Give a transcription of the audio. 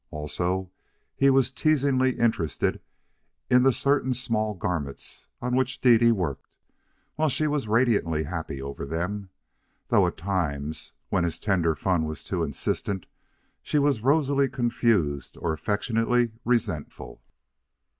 Also, he was teasingly interested in the certain small garments on which Dede worked, while she was radiantly happy over them, though at times, when his tender fun was too insistent, she was rosily confused or affectionately resentful.